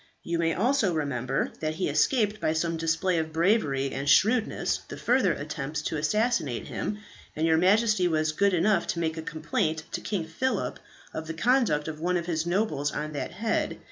You may also remember that he escaped by some display of bravery and shrewdness the further attempts to assassinate him, and your Majesty was good enough to make a complaint to King Phillip of the conduct of one of his nobles on that head.